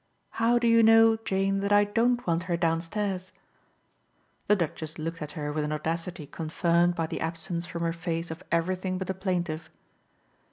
"How do you know, Jane, that I don't want her downstairs?" The Duchess looked at her with an audacity confirmed by the absence from her face of everything but the plaintive.